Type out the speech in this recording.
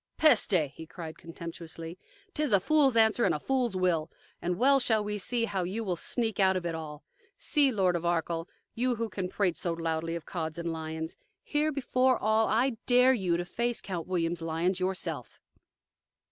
"Peste!" he cried contemptuously. "'T is a fool's answer and a fool's will. And well shall we see now how you will sneak out of it all. See, Lord of Arkell, you who can prate so loudly of Cods and lions: here before all, I dare you to face Count William's lions yourself!"